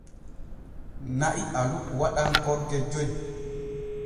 Na'i alu waɗan kogge joy.